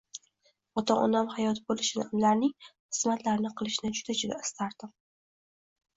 Ota-onam hayot boʻlishini, ularning xizmatlarini qilishni juda-juda istardim